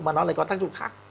mà nó lại có tác dụng khác